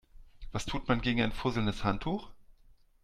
Was tut man gegen ein fusselndes Handtuch?